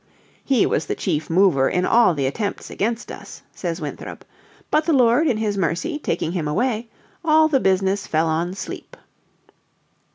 "He was the chief mover in all the attempts against us," says Winthrop. "But the Lord, in His mercy, taking him away, all the business fell on sleep."